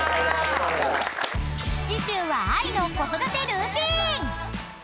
［次週はＡＩの子育てルーティン！］